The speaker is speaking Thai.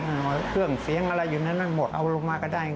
เครื่องเสียงอะไรอยู่ในนั้นหมดเอาลงมาก็ได้